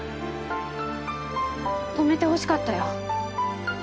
止めてほしかったよ